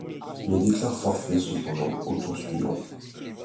Mais déclare forfait cependant au tour suivant.